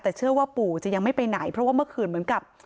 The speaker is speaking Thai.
แต่เชื่อว่าปู่จะยังไม่ไปไหนเพราะว่าเมื่อคืนเหมือนกับ